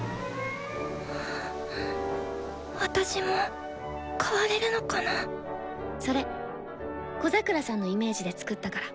私も変われるのかなそれ小桜さんのイメージで作ったから。